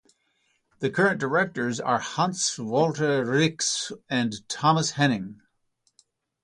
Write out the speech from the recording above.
The current directors are Hans-Walter Rix and Thomas Henning.